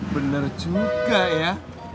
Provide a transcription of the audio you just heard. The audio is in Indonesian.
bener juga ya